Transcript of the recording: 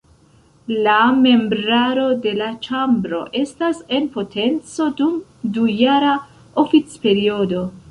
La membraro de la ĉambro estas en potenco dum dujara oficperiodo.